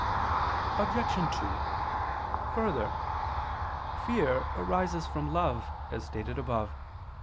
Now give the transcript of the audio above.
Obj. 2: Further, fear arises from love, as stated above (A.